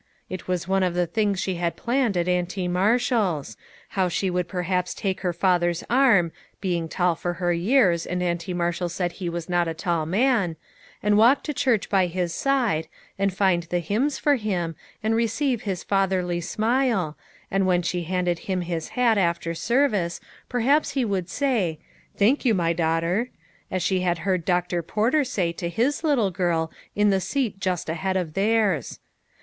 It was one of the things she had planned at Auntie Marshall's ; how she would perhaps take her father's arm, being tall for her years, and Auntie Marshall said he was not a tall man, and walk to church by his side, and find the hymns for him, and re ceive his fatherly smile, and when she handed him his hat after service, perhaps he would say, " Thank you, my daughter," as she had heard Doctor Porter say to his little girl in the seat just ahead of theirs.